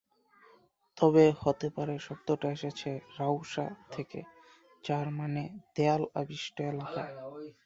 তবে হতে পারে শব্দটা এসেছে রাও-সা থেকে যার মানে ‘দেয়াল আবিষ্ট এলাকা’।